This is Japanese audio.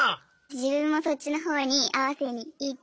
自分もそっちの方に合わせにいって。